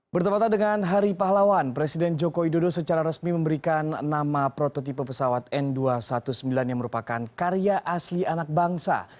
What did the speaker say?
bertempatan dengan hari pahlawan presiden joko widodo secara resmi memberikan nama prototipe pesawat n dua ratus sembilan belas yang merupakan karya asli anak bangsa